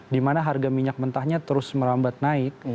di mana harga minyak mentahnya terus merambat naik